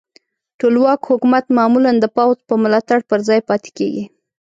ټولواک حکومت معمولا د پوځ په ملاتړ پر ځای پاتې کیږي.